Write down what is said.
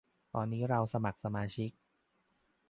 ตอนที่เราสมัครสมาชิก